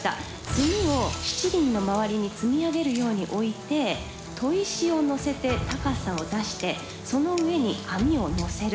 炭を七輪の周りに積み上げるように置いて砥石をのせて高さを出してその上に網をのせる。